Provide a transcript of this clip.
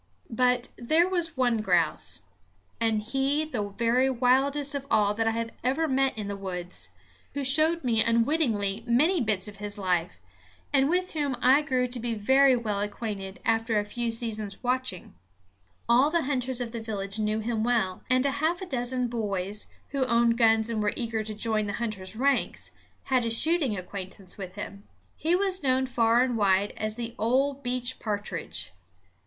But there was one grouse and he the very wildest of all that I have ever met in the woods who showed me unwittingly many bits of his life, and with whom I grew to be very well acquainted after a few seasons' watching. All the hunters of the village knew him well; and a half dozen boys, who owned guns and were eager to join the hunters' ranks, had a shooting acquaintance with him. He was known far and wide as "the ol' beech pa'tridge."